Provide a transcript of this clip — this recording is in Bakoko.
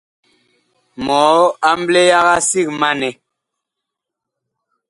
Mɔɔ amble yaga sig ma nɛ !